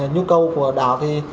nhu cầu của đảo thì